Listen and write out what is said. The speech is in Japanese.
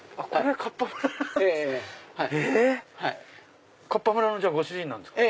はい。